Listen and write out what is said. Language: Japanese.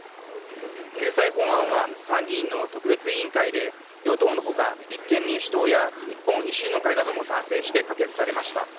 救済法案は参議院の特別委員会で与党の他立憲民主党や日本維新の会なども賛成して可決されました。